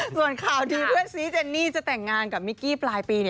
ส่วนข่าวดีเพื่อนซีเจนนี่จะแต่งงานกับมิกกี้ปลายปี